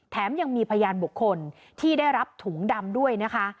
ยังมีพยานบุคคลที่ได้รับถุงดำด้วยนะคะ